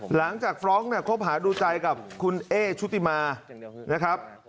หลังจากฟร้องนะครับขอความไปดูใจกับคุณเอชุติมานะครับ